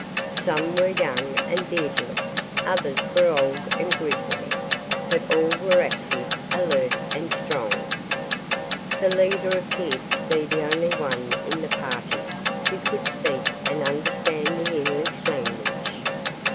Some were young and beardless, others were old and grizzly, but all were active, alert and strong. The leader appeared to be the only one in the party who could speak and understand the English language.